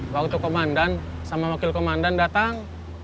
waktu komandan sama wakil komandan datang